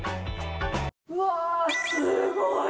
うわー、すごい！